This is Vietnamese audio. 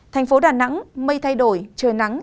thành phố đà nẵng mây thay đổi trời nắng